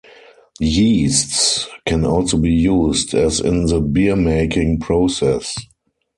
Yeasts can also be used, as in the beer-making process.